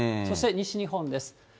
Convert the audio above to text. そして西日本です。